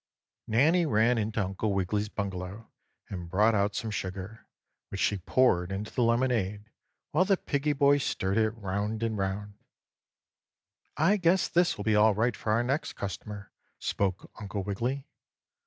5. Nannie ran in to Uncle Wiggily's bungalow and brought out some sugar, which she poured into the lemonade, while the piggie boy stirred it 'round and 'round. "I guess this will be all right for our next customer," spoke Uncle Wiggily.